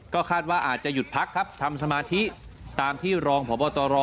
ก็คาดว่าอาจจะหยุดพักครับทำสมาธิตามที่รองพบตร